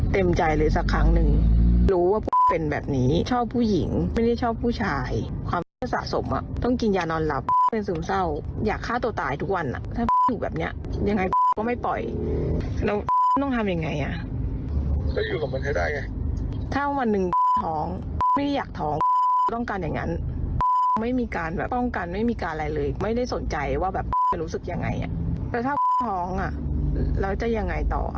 เต็มใจเลยสักครั้งนึงรู้ว่าเป็นแบบนี้ชอบผู้หญิงไม่ได้ชอบผู้ชายความสะสมอ่ะต้องกินยานอนหลับเป็นซึมเศร้าอยากฆ่าตัวตายทุกวันอ่ะถ้าถูกแบบเนี้ยยังไงก็ไม่ปล่อยแล้วต้องทำยังไงอ่ะจะอยู่กับมันให้ได้ไงถ้าวันหนึ่งท้องไม่ได้อยากท้องต้องการอย่างงั้นไม่มีการแบบป้องกันไม่มีการอะไรเลยไม่ได้สน